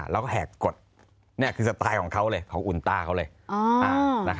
แล้วก็แหกกดนี่คือสไตล์ของเขาเลยของอุณต้าเขาเลย